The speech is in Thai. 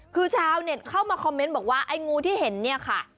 คือชาวเน็ตเข้ามาคอมเมนต์บอกว่าไอ้งูที่เห็นเนี่ยค่ะ